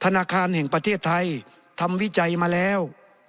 ธนาคารแห่งประเทศไทยทำวิจัยมาแล้ว